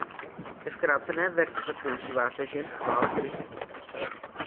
Ve zkrácené verzi se používá též jen Chvála Kristu.